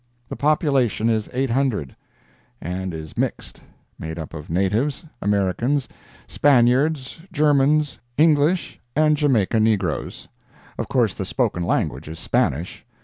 The population is 800, and is mixed—made up of natives, Americans, Spaniards, Germans, English and Jamaica negroes. Of course the spoken language is Spanish.